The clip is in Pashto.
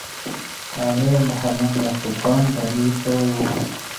امیر محمد یعقوب خان بندي سوی وو.